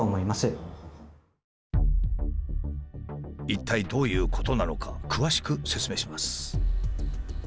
一体どういうことなのか詳しく説明します。